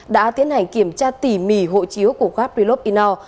đã tiến hành kiểm tra tỉ mì hộ chiếu của gaprilov inor